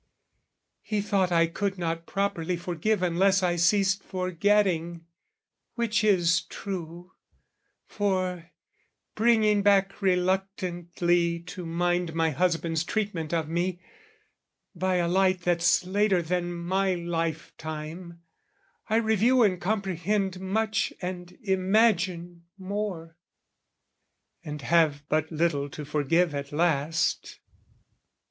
He thought I could not properly forgive Unless I ceased forgetting, which is true: For, bringing back reluctantly to mind My husband's treatment of me, by a light That's later than my life time, I review And comprehend much and imagine more, And have but little to forgive at last.